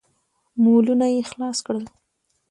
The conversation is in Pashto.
مولونه يې خلاص کړل.